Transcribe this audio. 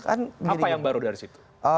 apa yang baru dari situ